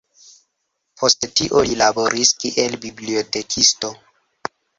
Post tio li laboris kiel bibliotekisto.